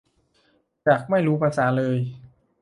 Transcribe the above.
จากไม่รู้ภาษาเลย